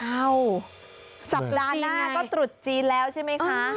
สัปดาห์หน้าก็ตรุษจีนแล้วใช่ไหมคะ